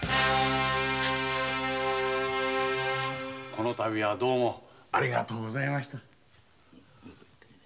このたびはありがとうございました。